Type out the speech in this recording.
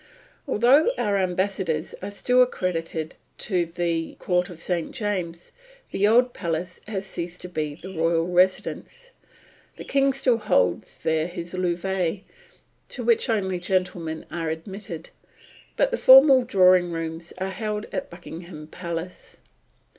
Although our ambassadors are still accredited to the Court of St. James's, the old palace has ceased to be the royal residence. The King still holds there his levees, to which only gentlemen are admitted. But the formal Drawing Rooms are held at Buckingham Palace.